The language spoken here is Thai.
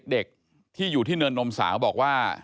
เด็กที่อยู่ที่เนินนมสาวบอกว่า